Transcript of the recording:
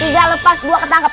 lidah lepas dua ketangkep